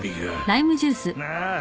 ああ。